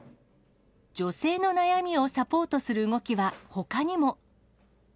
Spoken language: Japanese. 女性の悩みをサポートする動きはほかにも。